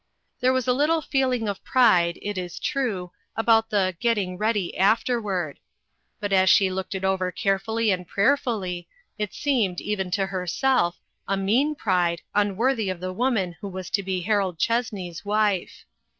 There was a little feeling of pride, it is true, about the " getting ready afterward ;" A FAMILY SECRET. 437 but as she looked it over carefully and prayerfully, it seemed, even to herself, a mean pride, unworthy of the woman who was to be Harold Chessney's wife.